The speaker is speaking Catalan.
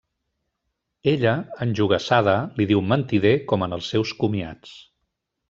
Ella, enjogassada, li diu mentider com en els seus comiats.